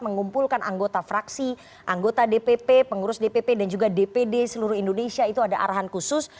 mengumpulkan anggota fraksi anggota dpp pengurus dpp dan juga dpd seluruh indonesia itu ada arahan khusus